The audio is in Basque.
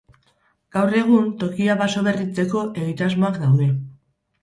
Gaur egun tokia basoberritzeko egitasmoak daude.